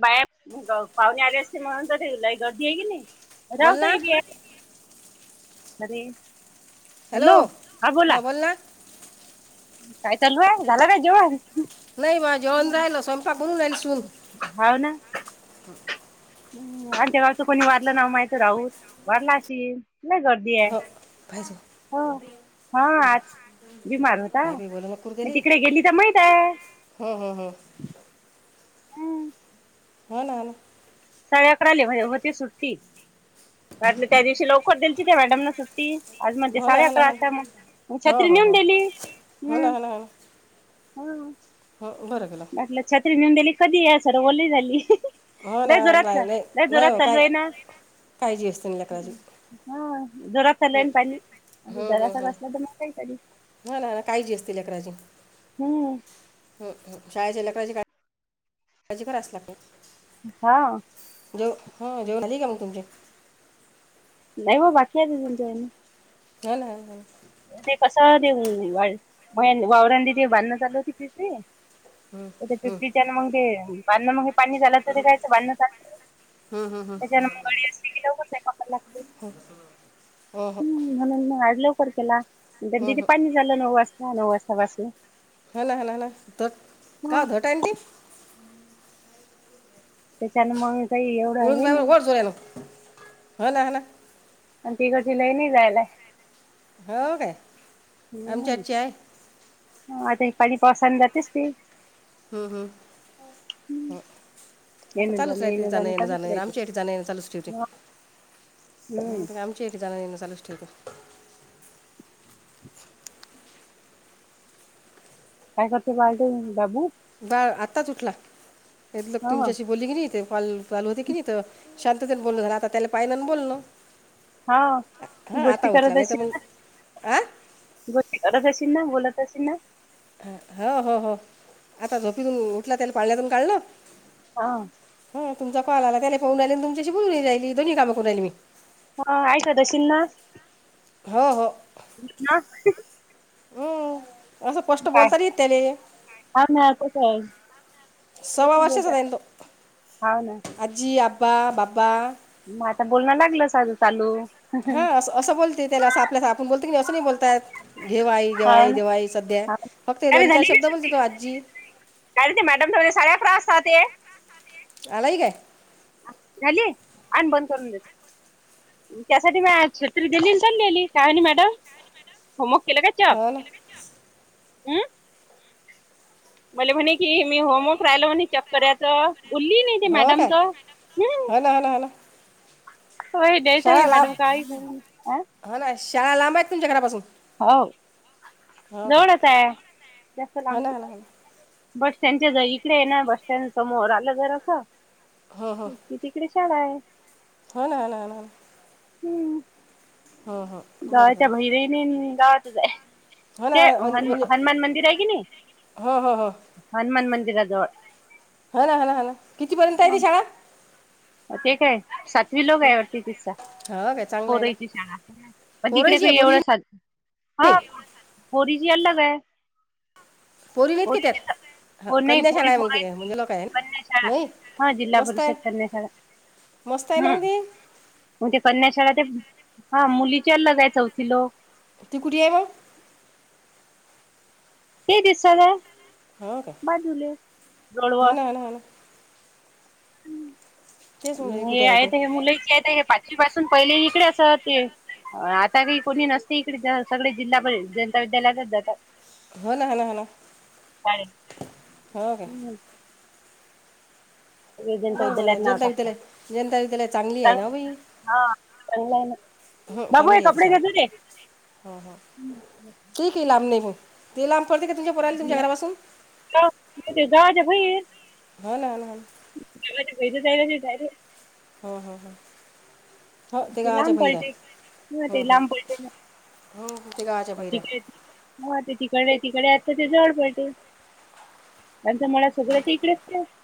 बाहेर पाहणे आले असते म्हणून तर ते लई गर्दी आहे की नाही बोल ना राहतय बी अरे हॅलो हा बोल ना काय चालू आहे झाला काय जेव्हा नाही बा जेवण रायला स्वयंपाकून राहिल सून होव ना हम् आणि त्या गावच कोणी वाढलं ना माहीत राहत वाढला असशलु नाही गर्दी आहे भाजे हो. हा आज बीमार होता बाई म तिकडे गेली तर माहित आहे हम्म हम्म हम्म [unintelligible] हम्म होा ना ना साडे अकराले होते सुट्टी वाटले त्या दिवशी लवकर दयची त्या मॅडम न सुट्टी आज मण हो ना साडे हो ना अकरा वाजता मग हो मग हो छत्री नेऊन हो दिली हो ना हम् हो ना हो ना हो बरं केला अटलं छत्रीनंदली कधी या सर वले झाली हो नाही ना जोरातचा नाही जोरात हो चालू काय आहे ना काळजी असते ना लेकराची हा दुरातला हं, न पनी अ घराचा कसल्या तर मगय तरी ह ना ना काहीजी असतील अकराची हम्म हमम शाळेचे लकडची का माजे घर असला ख हा जेव हा जेव नाही का मग तुमचे नाही ब बाकी आहेज जच्या मन ह ना ते कसं ते वावरंडी ते बांधण चालू होती तिथे हं, पिपरीच्या म्हे बांधण मे पाणी झालं तर ते कायचं बांधण चाल हं, हं, हं. ज मंगडी अस दऊ स पाका लाू होू हो हो, हम्म म्हणून मग आ लवकर केला हं, दिदी हं. पाणी झालं नऊ वाजला नऊ वाजपासून हा ना ह ना ह ना ट का ोटा एी त्याच्यान मग काही एवढं उळून हे पा नाही वर जोर आहे ना हा ना ह ना आणि तिकडची लय नाही जायला हो का हम् आता पाणी पावसान जातेच ते हम् हम् आता येणं चालूच जाणं रा त येणं जाणं ये ना चालूच जाणं ये राहते आमच्या या जाण ये ना चालूच ठेवटी हम् आमची एक जाण नेण लूच ठीक आहे काय करते बा त बाबू बाळ आत्ताच उठला लग हा तुमच्याशी बोलली की नाही तेॉल चालू होते की नाही शांततेने बोल झालं, आता त्याला पाहिलं आणि बोललो. हा तू हा गोष्टी आता उठला, करत नाही तर असशील मग ना आ गोष्टी करत असील ना, बोलत असील ना. हो हो हो, आता झोपीतून उठला, त्याला पाळण्यातून काढलं हा. हा तुमचा कॉल आला, त्याले पाहून राहिले आणि तुमच्याशी बोलूनही राहिली. दोन्ही काम करून राहिली मी. हा ऐका तशींना हो हो. ना. हम्म, असं स्पष्ट बोलतारी त्याले. काम ह्या कसं हाय? सवा वर्षच राहिलो. हाव ना आज्जी, अब्बा, बाबा. मग आता बोलण लागलं साजं चालू. हा असं असं बोलते त्याला. असं आपल्यास आपण बोलत की नाही, असं नाही बोलतायत. घेवाई हाव घेवाई ना देवाई सध्या. हाव फक्त अरे दोन चार झाली का शब्द सुट्टी बोलतो, तो आजी काय ते मॅडम त म साऱ्या [unintelligible] असतात ते. आलाय काय? आली, आण बंद करून देतो. त्यासाठी म्या आज छत्री दिली पण नेली, काय आणि मॅडम? हो मग केला का चा, हो ना हम्म? मले म्हणे की, मी होमवर्क राहिल म्हणे चाप्टर्याचं बुली नाही ते हो मॅडम काय त. हो ना हो ना हो ना होय द्यायचं आहे मॅडम काय करू? हा ना, शाळा लांब आहेत तुमच्या घरापासून. हो हो काय जवळच आहे, जास्त हो लांब ना हो ना हो नाही. ना बस स्टँडच्या इकडे आहे ना, बस स्टँड समोर आलं जरासं ह ह की तिकडे शाळा आहे. हो ना ना ना हम्म हो हो. बरं बरं गावाच्या बहिरही नाही आणि गावातच आहे. हो ना ते अन- म्हणजे हनुमा हनुमान मंदिर आहे की नाही, हो हो हो हनुमान मंदिराजवळ हा ना हा ना हा ना. कितीपर्यंत आहे ती शाळा? ते काय सातवी लोक आहे वाटतं तिचं. हो का चांग कोरईची शाळा, पण तिकडे का पोरीची एवढंच ह नाही पोरीची अलग आहे. पोरी बी हायत का त्यात? पोरीची तर ह हो नाही कन्या शाळा पोरी आहे मग पोरायच ते, नाही म्हणजे लोक आहे ना. कन्या शाळा नाही. हा जिल्हा मस्त आहे परिषद कन्या शाळा मस्त आहे नावदी. म्हणजे कन्याशाळा ते हा मुलीच्याला जाय चौथी लोक ती कुठे आहे बर? ते दिसला हो काय बाजूले जोडवा. हो ना हो ना हो ना तेच म्हणलं हे कुठे आहे ते आहेत हे मुलं इतक्या आहेत हे पाचवी पासून पहिले इकडे अस ते आता काही कोणी नसते इकडे सगळे जिल्हा प जनता विद्यालयातच जातात. हो ना हो ना हो ना. शाळेत. हो हो. हम्म विजंता बरं विद्यालयात बरं नाव जनता टाकलं, विद्यालय जनता विद्यालय चांगली आहे ना बाई हो चांगल आहे ना. हो बाबु हे चांगली आहे ती कपडे शाळा घे तुझे. हो हो ठीक आहे लांब नाही पण ते लांब पडते का तुमच्या पुराला तुमच्या घरापासुन? [inaudible] होन हो हो. [inaudible] हो हो हो हो ते गावाच्या लांब बाहीर आहे. पडते हा हॊ ते हॊ. लांब पडते ना हो ते गावाच्या बाहीर आहे. हो ते तिकडे तिकडे अस ते जवळ पडते. [unintelligible]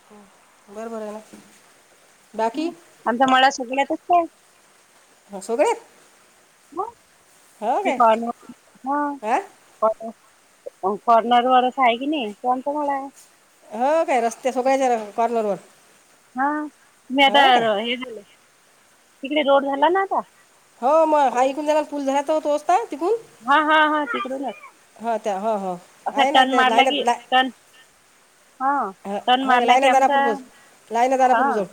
बरं बरं आहे ना बाकीं? आमचा मळा सगळ्यातच काय? हो सगळे आहेत? [unintelligible] हो काय काॅर्नर हां वरच आहे कीं नाई तो आमचा मळा. हो काय रस्त्याच्या [unintelligible] कॉर्नर वर. हा मी आता हे झालं तिकडे रोड झाला ना आता हो मग हा ऐकू न झाला पुल झाला होतो तोच तिकुन. हा हा हा तिकडेच आहे. हो ते हो हो आहे ना ते लाईन.. की लई टर्न हा ह टर्न हो मारला की आमचा लाईनदारापूर्वच लायनदारापूर्वी..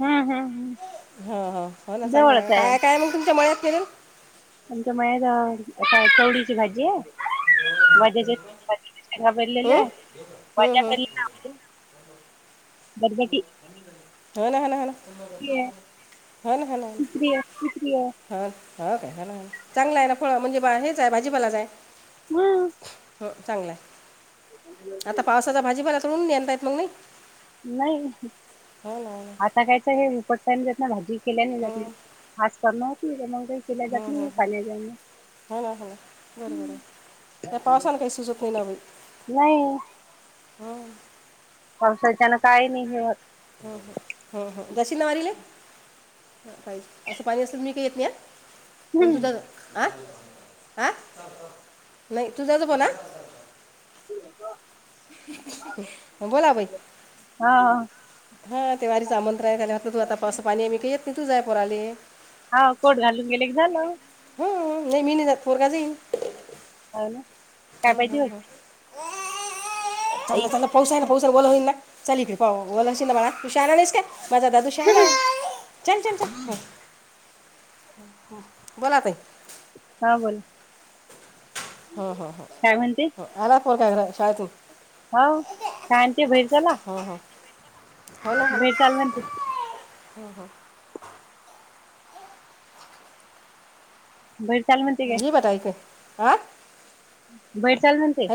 हम हम हम. हो हो हो ना चांगला आहे काय काय मग तुमच्या मळ्यात पेरेल? आमच्या मळ्यात आता चवळीची भाजी आहे. हं? हं, हं. [unintelligible] [unintelligible] बरबटी आहे होन, होन. [unintelligible] तिसरी आहे तिसरी आहे ह ह कायला चांगला आहे ना फळ म्हणजे हेच आहे भाजीपालाचं हाय. मंग. हो चांगलाय आता पावसाचा भाजीपाला तोडून घ्याल ना तशी तुम्ही? नाही. हो. आता कायचं हे उपटने जात ना भाजी केल्याने जात हो ना आज करनार होती मंग ती केल्या जात नाही. [unintelligible] हॊ. हॊ. बरोबर हाय ह्या पावसानं काय सुचत नाय ना ग बाई. नाही हम् पावसाच्यान काही नाही हे होत. हम् ह हम्म हम् दशिन माारीले पाहिजे असं पाणी [unintelligible] पण हम्म. तुझं आ आ, नाहीं तुझं नको ना. रिकामा ऑडिओ बोला बाई. हा. हा ते वारीच आमंत्रण आहे ते तु आता पावसा पाणी आहे मी काही येत नाही तु जाय पोराले हा कोठ घालुन गेले झालं. हम्म नाही मी नाही जात पोरगा जाई. हॅलो. ह ह ह ला आई त्यांला पाऊय ना पाऊस [unintelligible] [unintelligible] माझा दादू शहाणा हाय चल चल चल. बोला ताई. हा बोला. हम्म हम् काय म्हणते हम् आला पोर का शाळ त हो काछ आणते भैर झाला हो हो हो ना हला म्हणते हो हो बाहेर चाल म्ह ज बताय का आं बाहेर चाल म्हणते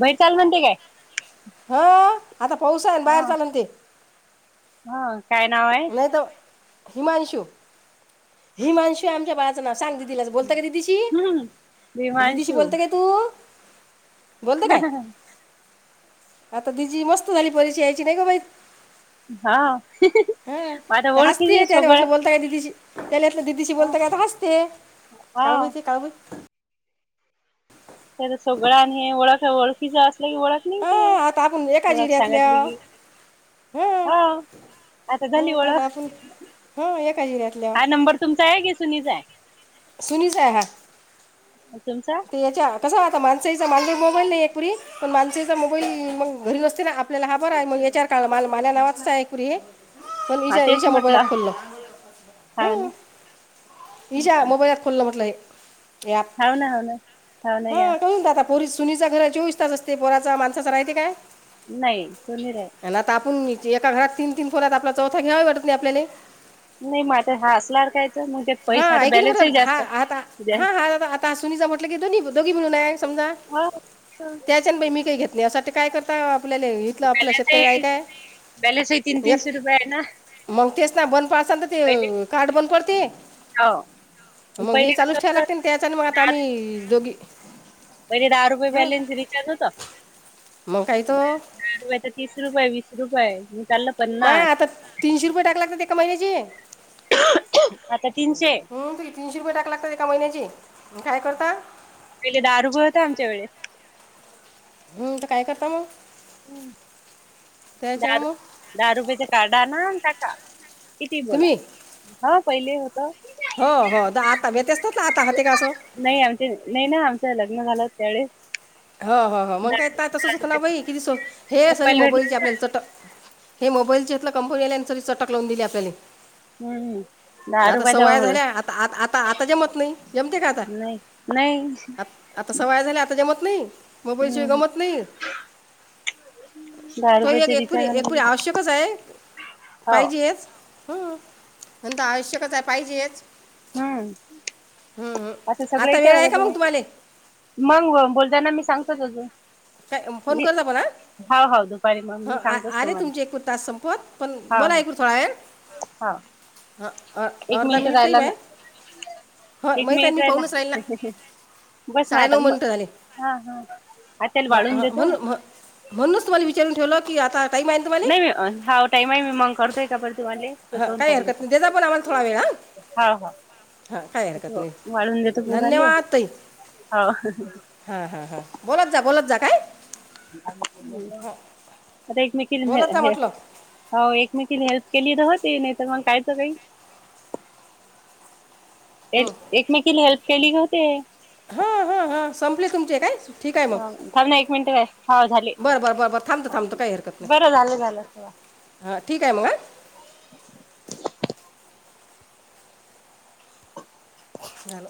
बैर चाल म्हणते काय ह आता पाऊस आहे ना बाहेर हा चालून ते हा काय नाव आहे नाही तर हिमांशू हिमांशू आमच्या बाळाचं ना सांग दिदीला बोलता का दिदीशी हम्म दिदीशी भीमांशू बोलता का तू बोलतं काय हा आता दिजी मस्त झाली परीक्षा यायची नाही ग बाई हा हा माझ्या तर हस्तीय ओळखीचे त्याने सगळं म्हटलं बोलताय दिदीची त्यालाेतलं दिदीशी हा बोलता कायता हसते काळ हा. ते का त्या तर सगळं आणि हे ओळख ओळखीच असलं की ओळख नाही हां आता आपण क एका ओळख जिऱ्यातल्या सांगितली की हां हा आता झाली हां आता ओळख आपण हां एका जिऱ्यातल्या हा नंबर तुमचा आहे की सूनेचा जा आहे सुनीच आहे ह तुमचा याच्या कसं आता माणसाईचा मान मोबाईल नाही एकपूरी पण माणसेचा मोबाईल मग घरी असते ना आपल्याला हा बर आहे मग याच्या काळ मा माझ्या नावाचाच आहे कुरी हे पण इजा इजा मोबाईलात खोलल ह ना ह जा मोबाईलात खोललं म्हटलं प हाव ना हाव ना हाव ना या हा करून द पोरी सुनीचा घर चोवीस तास असते पोराचा माणसाचा राहिती काय नाही समी रा आहे आणि आता आपण एका घात तीन तीन फोरत आपला चौथा घ्यावावे वाटत नाही आपल्याला नाही माझ हसला कायच मगज हा आहेऐ की नाही बर हा आता हा हा आता सुनीचा म्हटलं की दोन्ही दोघी म्हणून आहे समजा हो त्याच्यान बाई मी काही घेत नाही अससाठी काय करता आपल्याला तथ आपलं बॅलन्स शेतकरी य काय व ना मग तेच ना बंद पडसा तर ते पहिले कार्ड बंद पडते हो मग हे पहिले कसं चालूच ठेयला होतं लागते ना त्याच्यान मग आता दहा आम्ही दोघी पहिले दहा रुपये हं. बॅलेन्स रिचार्ज होता मग काही तो तर तीस रुपये वीस रुपये म चाल माय आता तीनशे रुपये टाक लागतात एका महिन्याची आता तीनशे तुरी तीनशे रुपये टाक लागात एका महिन्याची काय करता पहिले दारूभळ होतं आमच्या वेस हम्म तर काय करता मग हम् दहा त्याच्यानं रु मग दहा रुपयेच काढा ना टाका किती बोला तुम्ही हा पहिले होत हो हो द आता भेत असतात आता हते का असं नाही आमचे नाही ना आमचं लग्न झालं त्यावे हो हो हो मग काय तसं सुक ना बाई किती स हे सरी भेटला मोबाईल का? आपल्याला चटक हे मोबाईल लं कंपनीरी चटक लावून दिली आपल्याला हम्म दहा आता रुपयाचा सवय मोबाईल झाल्या आता आता आता आता जमत नाही जमते का आता नाही नाही. आत- आता सवय झाल्या आता जमत नाही मुंबईशिय हम्म गमत नाही. दहा तो एक रुपयाचे एकपुरी रिचार्ज एकपुरी आणि आवश्यकच आहे, हो पाहिजे हेच हम् नणता आवश्यकच आहे पाहिजेच. हम्म! आता सगळं इच्या वेळ आहे होत का? मग तुम्हाला मग बोलताना मी सांगतो अजून. फो मी [unintelligible] हाव हाव दुपारी मग ह मी आ सांगतोच आले तुम्हाला तुमचे एकूण तास संपवत पण बोला एकऐकू थोडा आहे. हा! ह अर्धा मिनिटही टाईम आहे. हो एक माहित मिनिट मी राहिला पाहनच राहिल ना, बस मग साडे आता नऊ मग मिनटं झाले. हा हा आ त्याल हां वाळून हां देतो. म्हणून म्ह- म्हणूनच तुम्हाला विचारून ठेवलं की आता, टाईम आहे ना तुम्हाला नाही मी हा टाईम आहे मी मग करतोय का बर तुम्हाला. हां काही हरकत नाही देजा पण आम्हाला थोडा वेळ हां हां काही हरकत [unintelligible] नाही वाळून देतो पूर आले. धन्यवाद हा हा हा बोलत जा बोलत जा काय. आता एकमेकील बोलत जा हे, म्हटलं हो एकमेकीने हेल्प केली तर हो ते नाही तर मग कायच काही. हं. एकमेकीला हेल्प केली का होते. हा हा हा संपले तुमचे कायच ठीक आहे मग, थांब ना एक मिनिट काय हो झाले बरं बर बर बर थांबत थांबत काही हरकत नाही. बरं झालं झालं हां ठीक आहे मग, ल [unintelligible]